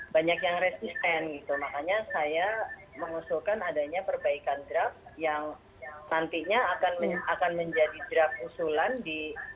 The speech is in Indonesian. banyak yang resisten gitu makanya saya mengusulkan adanya perbaikan draft yang nantinya akan menjadi draft usulan di